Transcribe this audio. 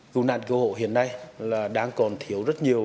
cứu nạn cứu hộ hiện nay là đang còn thiếu rất nhiều